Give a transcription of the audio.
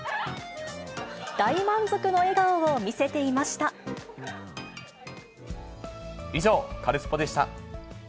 大満足の笑顔を見せていまし以上、カルスポっ！でした。